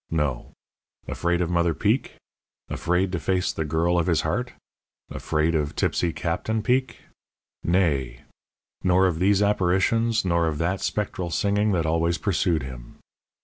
No. Afraid of Mother Peek? Afraid to face the girl of his heart? Afraid of tipsy Captain Peek? Nay! nor of these apparitions, nor of that spectral singing that always pursued him.